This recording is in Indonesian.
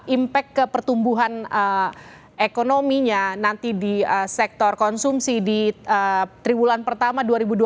impact ke pertumbuhan ekonominya nanti di sektor konsumsi di triwulan pertama dua ribu dua puluh satu